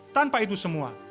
tanpa itu semua